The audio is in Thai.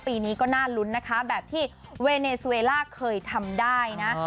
ปีนี้ก็น่าลุ้นนะคะแบบที่เวเนซูเวล่าเคยทำได้นะ